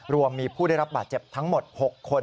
รวมมีผู้ได้รับบาดเจ็บทั้งหมด๖คน